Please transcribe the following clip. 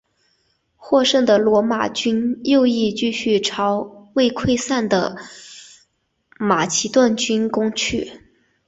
获胜的罗马军右翼继续朝尚未溃散的马其顿军攻去。